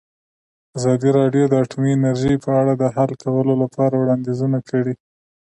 ازادي راډیو د اټومي انرژي په اړه د حل کولو لپاره وړاندیزونه کړي.